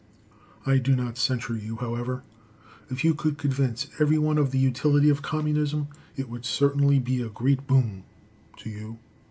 I do not censure you, however. If you could convince every one of the utility of Communism, it would certainly be a great boon to you.